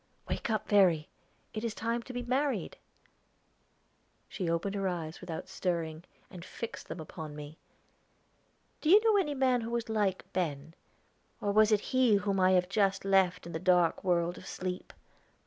"Wake up, Verry; it is time to be married." She opened her eyes without stirring and fixed them upon me. "Do you know any man who is like Ben? Or was it he whom I have just left in the dark world of sleep?"